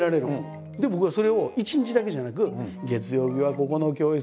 僕はそれを一日だけじゃなく月曜日はここの教室